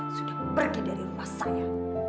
sudah pergi dari rumah saya